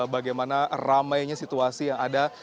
bagaimana ramainya situasi yang ada